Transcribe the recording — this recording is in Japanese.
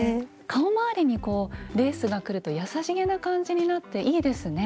顔まわりにこうレースがくると優しげな感じになっていいですね。